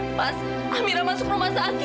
pas amira masuk rumah sakit